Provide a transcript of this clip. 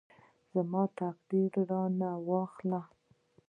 زما تقدیر رانه واخلي.